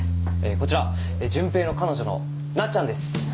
こちら潤平の彼女のなっちゃんです。